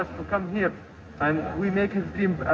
untuk memberikan kami dukungan dan mendorong kami untuk datang ke sini